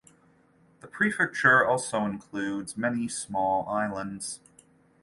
The prefecture also includes many small islands.